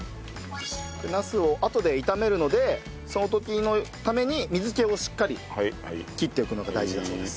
ナスをあとで炒めるのでその時のために水気をしっかり切っておくのが大事だそうです。